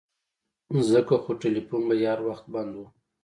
ځکه خو ټيلفون به يې هر وخت بند و.